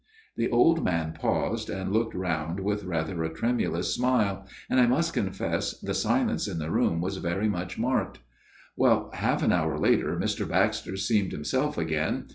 The old man paused, and looked round with rather a tremulous smile ; and, I must confess, the silence in the room was very much marked. " Well, half an hour later Mr. Baxter seemed himself again.